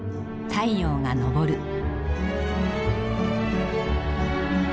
太陽が昇る。